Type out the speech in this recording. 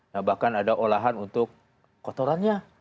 nah bahkan ada olahan untuk kotorannya